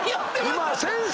今先生